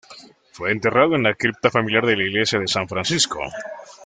Fue enterrado en la cripta familiar de la iglesia de San Francisco.